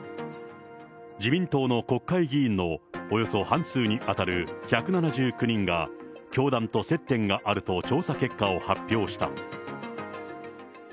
自民党の国会議員のおよそ半数に当たる１７９人が、教団と接点があると調査結果を発表した。